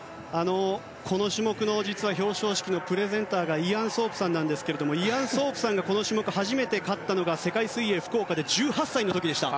この種目の表彰式のプレゼンターが実はイアン・ソープさんなんですがイアン・ソープさんがこの種目、初めて勝ったのが世界水泳福岡で１８歳の時でした。